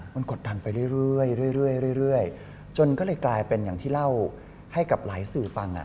มันกดดันไปเรื่อยจนก็เลยกลายเป็นอย่างที่เล่าให้กับหลายสื่อฟัง